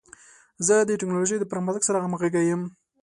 زه د ټکنالوژۍ د پرمختګ سره همغږی یم.